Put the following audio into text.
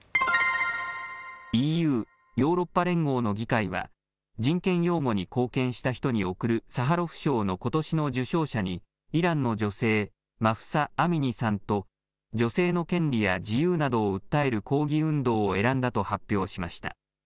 ＥＵ・ヨーロッパ連合の議会は人権擁護に貢献した人に贈るサハロフ賞のことしの受賞者にイランの女性、マフサ・アミニさんと女性の権利や自由などを訴える抗議運動を選んだと発表しました。